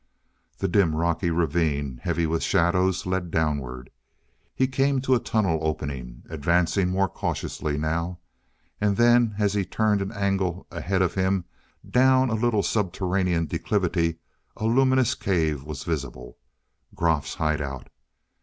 The dim rocky ravine, heavy with shadows, led downward. He came to a tunnel opening, advancing more cautiously now. And then, as he turned an angle ahead of him, down a little subterranean declivity a luminous cave was visible. Groff's hideout.